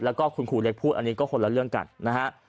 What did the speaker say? แล้วก็คุณครูเล็กพูดอันนี้ก็คนละเรื่องกันนะฮะ